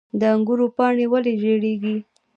د انګورو پاڼې ولې ژیړیږي؟